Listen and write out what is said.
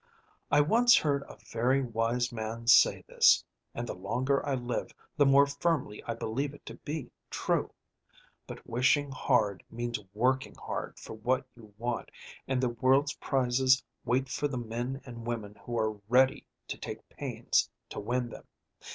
I once heard a very wise man say this, and the longer I live the more firmly I believe it to be true. But wishing hard means working hard for what you want, and the world's prizes wait for the men and women who are ready to take pains to win them.